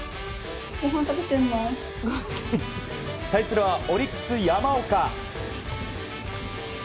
対するはオリックス、山岡。